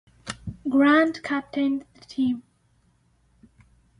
Grant captained the team.